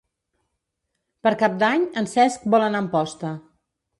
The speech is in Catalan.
Per Cap d'Any en Cesc vol anar a Amposta.